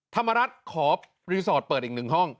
ธรรมรัฐขอรีสอร์ทเปิดอีกหนึ่งห้อง